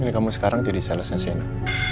ini kamu sekarang jadi salesnya sienna